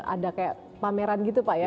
ada kayak pameran gitu pak ya